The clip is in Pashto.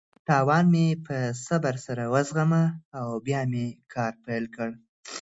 تاوان مې په صبر سره وزغمه او بیا مې کار پیل کړ.